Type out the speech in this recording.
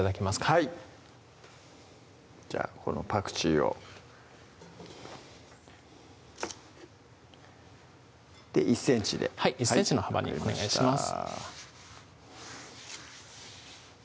はいじゃあこのパクチーを１ｃｍではい１ｃｍの幅にお願いします